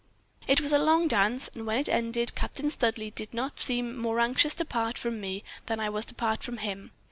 "It was a long dance, and when it ended Captain Studleigh did not seem more anxious to part from me than I was to part from him.